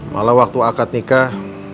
malah waktu akad nikah